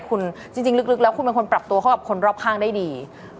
คุณจริงลึกแล้วคุณเป็นคนปรับตัวเข้ากับคนรอบข้างได้ดี